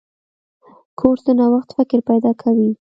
کورس د نوښت فکر پیدا کوي.